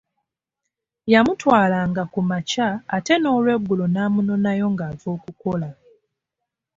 Yamutwalanga ku makya ate n’olweggulo n’amunonayo ng’ava okukola.